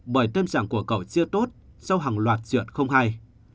bởi tâm trạng của cậu chia tốt sau hàng loạt chuyện không hay